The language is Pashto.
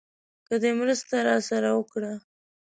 که دې مرسته راسره وکړه.